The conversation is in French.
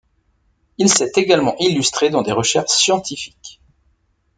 Il s'est également illustré dans des recherches scientifiques.